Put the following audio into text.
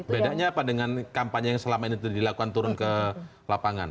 bedanya apa dengan kampanye yang selama ini dilakukan turun ke lapangan